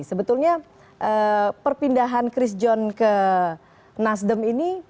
sebetulnya perpindahan christian ke nasdem ini